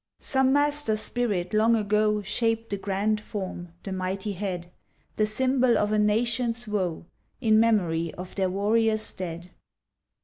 Some master spirit long ago Shaped the grand form, the mighty head, The symbol of a nation's Avoe In memory of their warrior's dead.